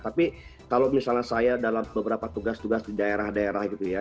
tapi kalau misalnya saya dalam beberapa tugas tugas di daerah daerah gitu ya